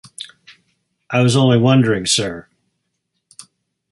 I was only wondering sir.